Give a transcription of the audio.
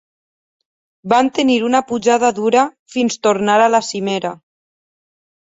Van tenir una pujada dura fins tornar a la cimera.